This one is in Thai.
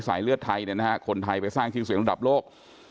ที่อยู่ที่เกาหลีสายเลือดไทยคนไทยไปสร้างชื่อเสียงระดับโลก